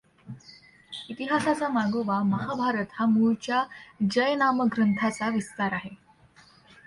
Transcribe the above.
इतिहासाचा मागोवा महाभारत हा मूळच्या जय नामक ग्रंथाचा विस्तार आहे.